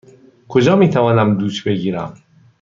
کجا می توانم دوش بگیرم؟